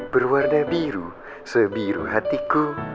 berwarna biru sebiru hatiku